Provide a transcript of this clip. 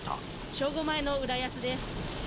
正午前の浦安です。